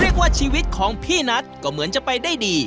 เรียกว่าชีวิตของพี่นัทก็เหมือนจะไปได้ดี